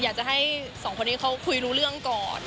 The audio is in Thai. อยากจะให้สองคนนี้เขาคุยรู้เรื่องก่อน